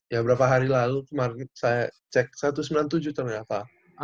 ya berapa hari lalu kemarin saya cek satu ratus sembilan puluh tujuh ternyata